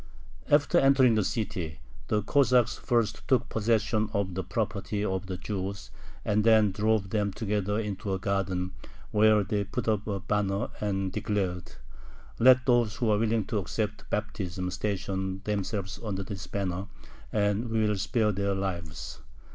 After entering the city, the Cossacks first took possession of the property of the Jews, and then drove them together into a garden, where they put up a banner and declared, "Let those who are willing to accept baptism station themselves under this banner, and we will spare their lives."